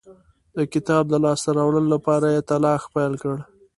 د کتاب د لاسته راوړلو لپاره یې تلاښ پیل کړ.